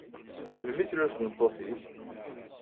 Melmi ay tlul tmeṭṭut-nnek?